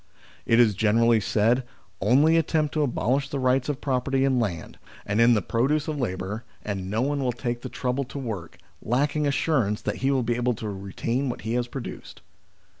It is generally said, " Only attempt to abolish the rights of property in land, and in the produce of labour, and no one will take the trouble to work, lacking assurance that he will be able to retain what he has produced."